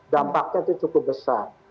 dampaknya itu cukup besar